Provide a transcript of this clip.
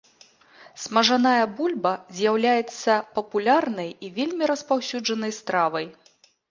Смажаная бульба з'яўляецца папулярнай і вельмі распаўсюджанай стравай.